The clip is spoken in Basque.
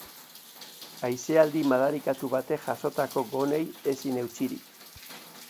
Haizealdi madarikatu batek jasotako gonei ezin eutsirik.